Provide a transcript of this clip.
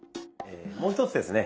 もう一つですね